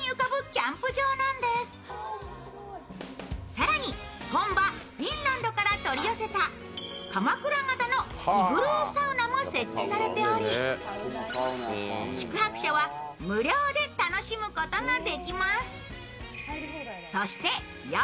更に、本場・フィンランドから取り寄せたかまくら型のイグルーサウナも設置されており宿泊者は無料で楽しむことができます。